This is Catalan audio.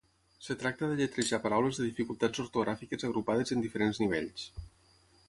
Es tracta de lletrejar paraules de dificultats ortogràfiques agrupades en diferents nivells.